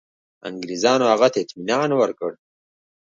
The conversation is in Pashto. انګرېزانو هغه ته اطمیان ورکړ.